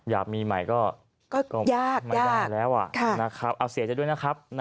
อยากมีใหม่ก็ยากไม่ได้แล้วนะครับเอาเสียใจด้วยนะครับ